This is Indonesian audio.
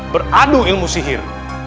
beradu ilmu sihir